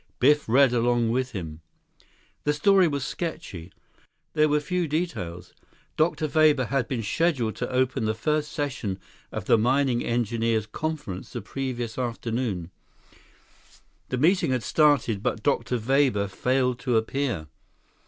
Biff read along with him. The story was sketchy. There were few details. Dr. Weber had been scheduled to open the first session of the mining engineers' conference the previous afternoon. The meeting had started, but Dr. Weber failed to appear.